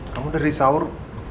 kamu dari sahur